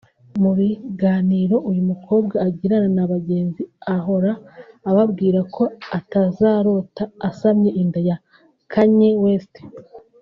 Mu biganiro uyu mukobwa agirana na bagenzi ahora ababwiraga ko atazarota asamye inda ya Kanye West